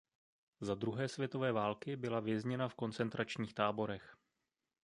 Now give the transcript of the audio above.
Za druhé světové války byla vězněna v koncentračních táborech.